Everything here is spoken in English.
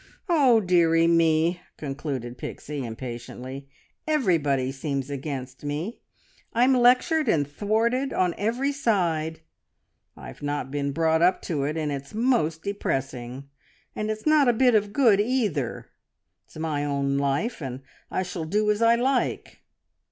Oh, dearie me," concluded Pixie impatiently, "everybody seems against me! I'm lectured and thwarted on every side, I've not been brought up to it, and it's most depressing. And it's not a bit of good, either; it's my own life, and I shall do as I like.